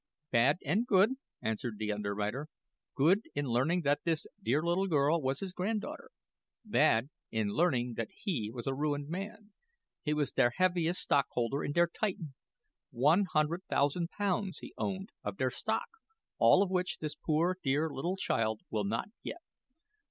"Bad and good," answered the underwriter. "Good, in learning that this dear little girl was his granddaughter bad, in learning that he was a ruined man. He was der heaviest stockholder in der Titan. One hundred thousand pounds, he owned, of der stock, all of which this poor, dear little child will not get."